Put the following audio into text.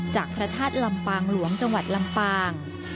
พระธาตุลำปางหลวงจังหวัดลำปาง